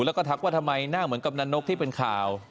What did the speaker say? แล้วก็ทักว่าทำไมหน้าเหมือนกำนันนกที่เป็นข่าว